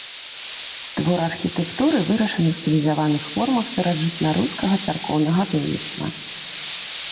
Твор архітэктуры, вырашаны ў стылізаваных формах старажытнарускага царкоўнага дойлідства.